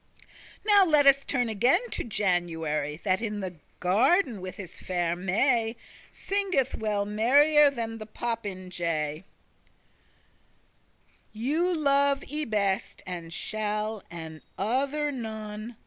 Now let us turn again to January, That in the garden with his faire May Singeth well merrier than the popinjay:* *parrot "You love I best, and shall, and other none."